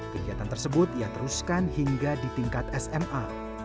kegiatan tersebut ia teruskan hingga di tingkat sma